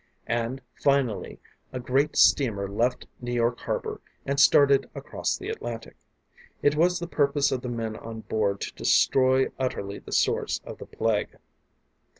And finally, a great steamer left New York harbor, and started across the Atlantic. It was the purpose of the men on board to destroy utterly the source of the Plague.